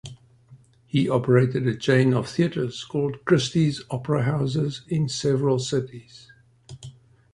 He operated a chain of theaters called Christy's Opera Houses in several cities.